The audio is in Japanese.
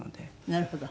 なるほど。